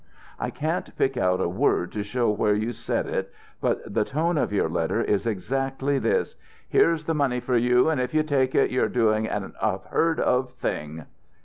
I can't pick out a word to show where you said it, but the tone of your letter is exactly this, 'Here's the money for you, and if you take it you're doing an unheard of thing.'